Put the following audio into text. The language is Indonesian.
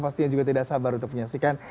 pastinya juga tidak sabar untuk menyaksikan